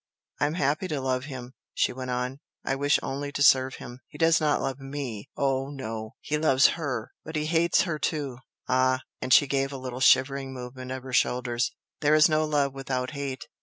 "I am happy to love him!" she went on "I wish only to serve him. He does not love ME oh, no! he loves HER! But he hates her too ah!" and she gave a little shivering movement of her shoulders "There is no love without hate!